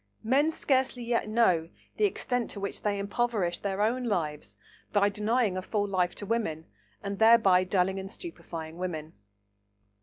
Men scarcely yet know the extent to which they impoverish their own lives by denying a full life to women, and thereby dulling and stupefying women.